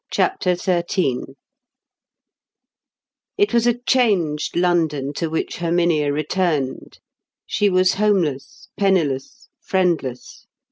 CHAPTER XIII It was a changed London to which Herminia returned. She was homeless, penniless, friendless.